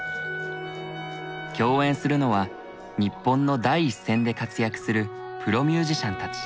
共演するのは日本の第一線で活躍するプロミュージシャンたち。